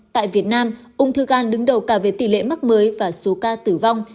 tại việt nam ung thư gan đứng đầu cả về tỷ lệ mắc mới và số ca tử vong